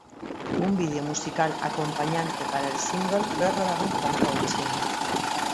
Un video musical acompañante para el single fue rodado en Hong Kong, China.